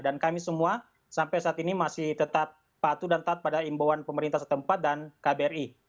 dan kami semua sampai saat ini masih tetap patuh dan tat pada imbauan pemerintah setempat dan kbri